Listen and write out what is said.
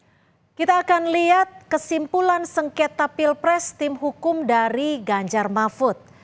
baik kita akan lihat kesimpulan sengketa pilpres tim hukum dari ganjar mahfud